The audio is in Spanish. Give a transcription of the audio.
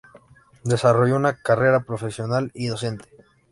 Desarrolló una carrera profesional y docente.